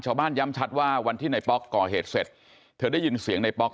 ชาวบ้านย้ำชัดว่าวันที่นายป๊อกก่อเหตุเสร็จเธอได้ยินเสียงนายป๊อก